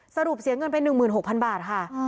สรุปเสียเงินไปหนึ่งหมื่นหกพันบาทค่ะอ่า